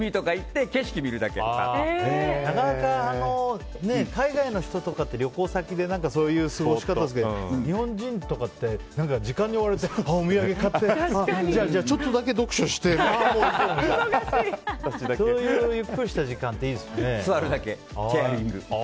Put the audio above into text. なかなか海外の人とかって旅行先でそういう過ごし方するけど日本人とかって時間に追われてお土産買ってちょっとだけ読書してってそういうゆっくりした時間って座るだけ、チェアリング。